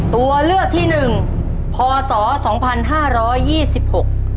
ตัวเลือกที่หนึ่งพศสองพันห้าร้อยยี่สิบหก